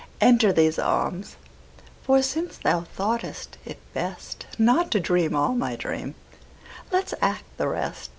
Enter these arms, for since thou thought'st it bestNot to dream all my dream, let's act the rest.